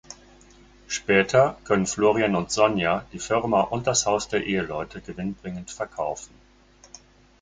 Später können Florian und Sonja die Firma und das Haus der Eheleute gewinnbringend verkaufen.